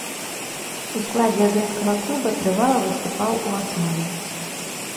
У складзе адэскага клуба трывала выступаў у аснове.